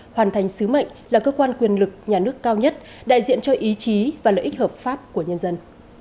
hoàn thành sứ mệnh là cơ quan quyền lực nhà nước cao nhất đại diện cho ý chí và lợi ích hợp pháp của nhân dân